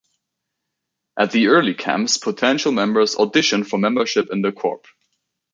At the early camps, potential members audition for membership in the corps.